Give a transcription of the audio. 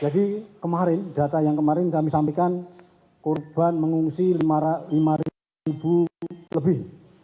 kemarin data yang kemarin kami sampaikan korban mengungsi lima lebih